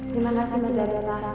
terima kasih mada bapak